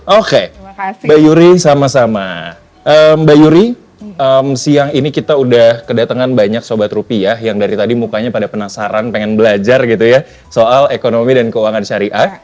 oke mbak yuri sama sama mbak yuri siang ini kita udah kedatangan banyak sobat rupiah yang dari tadi mukanya pada penasaran pengen belajar gitu ya soal ekonomi dan keuangan syariah